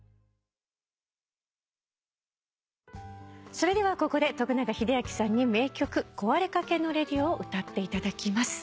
それではここで永明さんに名曲『壊れかけのＲａｄｉｏ』を歌っていただきます。